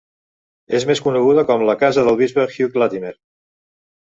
És més coneguda com la casa del bisbe Hugh Latimer.